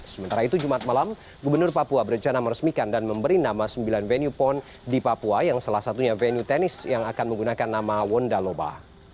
sementara itu jumat malam gubernur papua berencana meresmikan dan memberi nama sembilan venue pon di papua yang salah satunya venue tennis yang akan menggunakan nama wondaloba